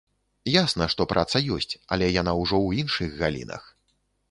Ясна, што праца ёсць, але яна ўжо ў іншых галінах.